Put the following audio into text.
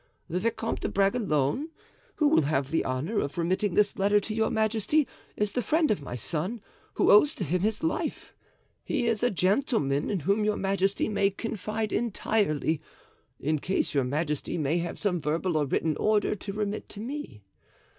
The Vicomte de Bragelonne, who will have the honor of remitting this letter to your majesty, is the friend of my son, who owes to him his life; he is a gentleman in whom your majesty may confide entirely, in case your majesty may have some verbal or written order to remit to me.